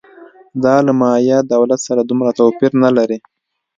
دا له مایا دولت سره دومره توپیر نه لري